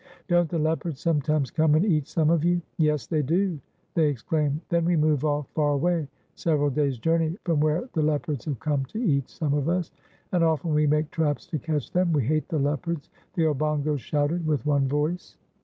"Don't the leopards sometimes come and eat some of you?" "Yes, they do!" they exclaimed. "Then we move off far away, several days' journey from where the leopards have come to eat some of us; and often we make traps to catch them. We hate the leopards!" the Obongos shouted with one voice.